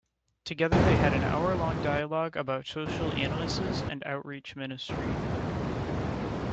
Together they had an hour-long dialogue about social analysis and outreach ministry.